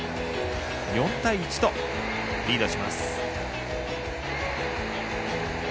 ４対１とリードします。